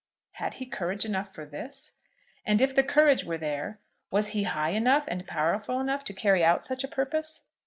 Had he courage enough for this? And if the courage were there, was he high enough and powerful enough to carry out such a purpose?